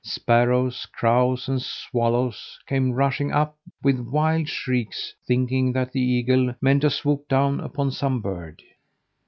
Sparrows, crows, and swallows came rushing up with wild shrieks, thinking that the eagle meant to swoop down upon some bird.